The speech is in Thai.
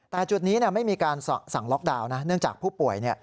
แต่จุดนี้ไม่มีการสั่งล็อกดาวน์นะเนื่องจากผู้ป่วย